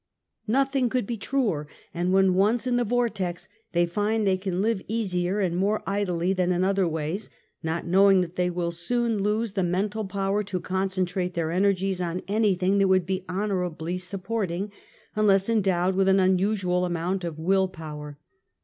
'' E'othing could be truer, and when once in the Ivortex, they find they can live easier and more idly) jthan in other ways, not knowing that they will soon Uose the mental power to concentrate their energies \> on anything that would be honorably supporting,^*} i/ ■unless endowed with an unusual amount of will power.